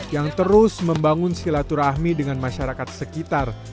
yang terus membangun silaturahmi dengan masyarakat sekitar